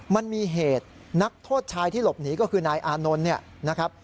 มันมีเหตุนักโทษชายที่หลบหนีก็คือนายอานนท์